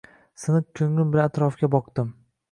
Siniq ko‘nglim bilan atrofga boqdim.